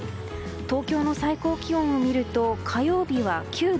東京の最高気温を見ると火曜日は９度。